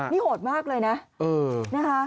นี่โหดมากเลยนะนะคะ